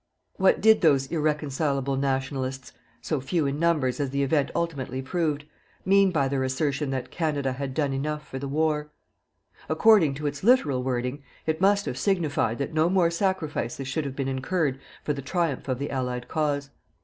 What did those irreconcilable "Nationalists" so few in numbers as the event ultimately proved mean by their assertion that Canada had done enough for the war? According to its literal wording, it must have signified that no more sacrifices should have been incurred for the triumph of the Allied cause.